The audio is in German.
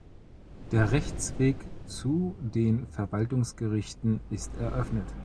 Der Rechtsweg zu den Verwaltungsgerichten ist eröffnet.